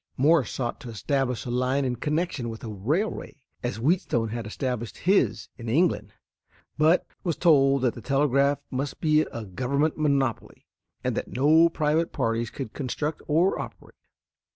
Morse sought to establish his line in connection with a railway, as Wheatstone had established his in England, but was told that the telegraph must be a Government monopoly, and that no private parties could construct or operate.